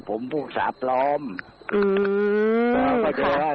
คุณผู้ชมไปฟังเสียงพร้อมกัน